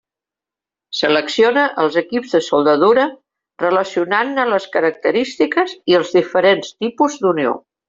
Selecciona els equips de soldadura, relacionant-ne les característiques i els diferents tipus d'unió.